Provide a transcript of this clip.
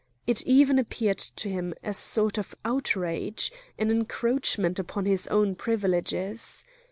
It even appeared to him a sort of outrage, an encroachment upon his own privileges.